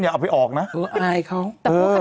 เป็นการกระตุ้นการไหลเวียนของเลือด